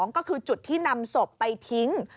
ก็คือจุดที่นำศพไปทิ้ง